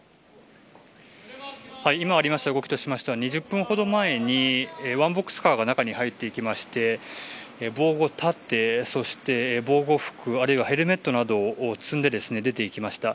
今ありました動きとしては２０分ほど前にワンボックスカーが中に入っていきまして防護盾そして防護服あるいはヘルメットなどを積んで出ていきました。